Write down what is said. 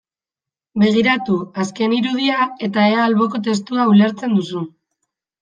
Begiratu azken irudia eta ea alboko testua ulertzen duzun.